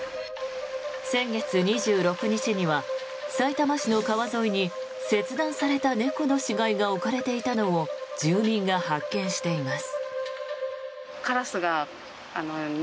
先月２６日にはさいたま市の川沿いに切断された猫の死骸が置かれていたのを住民が発見しています。